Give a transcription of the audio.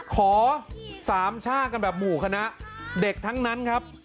ขอสามชาติกันแบบหมู่คณะเด็กทั้งนั้นครับ